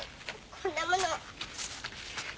こんなもの！